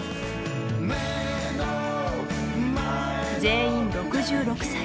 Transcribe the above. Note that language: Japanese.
全員６６歳。